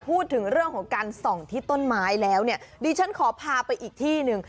พูดถึงเรื่องของการส่องที่ต้นไม้แล้วเนี่ยดิฉันขอพาไปอีกที่หนึ่ง